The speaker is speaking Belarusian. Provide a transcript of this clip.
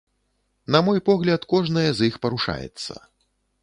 На мой погляд, кожнае з іх парушаецца.